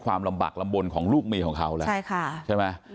ความลำบากลำบลของลูกมีของเขาแล้วใช่ไหม